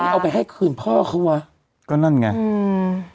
เอาไปให้คืนพ่อเขาวะก็นั่นไงอืม